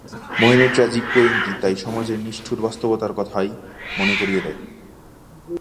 মহীনের tragic পরিণতি তাই সমাজের নিষ্ঠুর বাস্তবতার কথাই মনে করিয়ে দেয়।